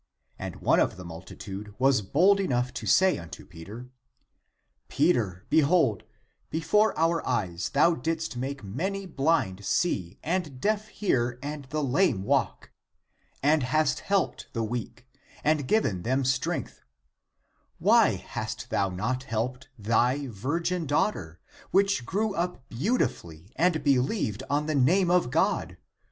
And one of the multitude was bold enough to say unto Peter, '' Peter, behold, before our eyes thou didst make many blind see and deaf hear and the lame walk, and hast helped the weak, and given them strength; why hast thou not helped thy \'irgin daughter, which grew up beautifully and (p. 129) believed on the name of God?